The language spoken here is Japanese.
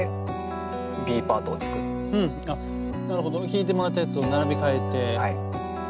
弾いてもらったやつを並び替えて。